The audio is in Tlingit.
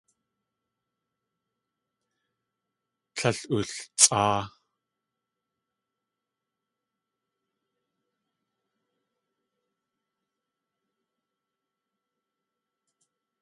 Tlél ultsʼáa.